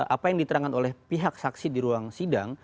apa yang diterangkan oleh pihak saksi di ruang sidang